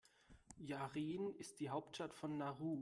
Yaren ist die Hauptstadt von Nauru.